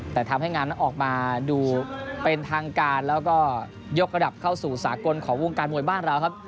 แต่ทำให้งานนั้นออกมาดูเป็นทางการแล้วก็ยกระดับเข้าสู่สากลของวงการมวยบ้านเราครับ